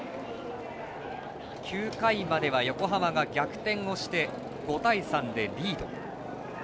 ９回までは横浜が逆転をして５対３でリード。